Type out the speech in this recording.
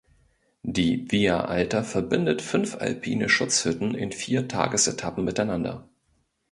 Die Via Alta verbindet fünf alpine Schutzhütten in vier Tagesetappen miteinander.